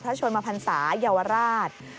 พระชนมพันษาเยาวราช